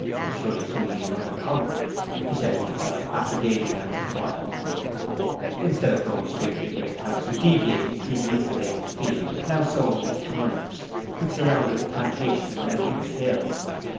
'Surely somebody is on the column,' he said to himself, after gazing at it awhile. Instead of going straight to the Great House he deviated through the insulating field, now sown with turnips, which surrounded the plantation on Rings Hill.